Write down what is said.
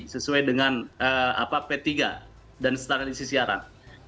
sesuai dengan p tiga dan standardisi siaran